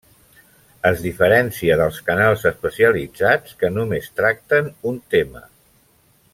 Es diferencia dels canals especialitzats, que només tracten un tema.